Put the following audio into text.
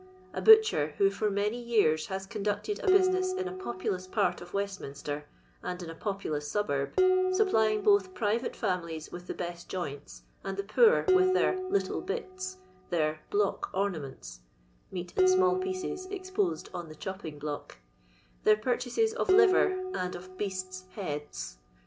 A butcher who for many years has conducted a business in a populous part of Westminster and in a populous suburb, supplying botL private families with the best joints, and the poor with their "little biU'' their "block ornaments" (meat in Bimall pieces exposed on the chopping block), their purchases of liver, and of beasts' heads.